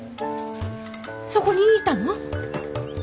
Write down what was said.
そこにいたの？